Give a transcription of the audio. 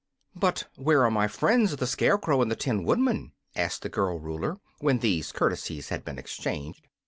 "But where are my friends, the Scarecrow and the Tin Woodman?" asked the girl Ruler, when these courtesies had been exchanged.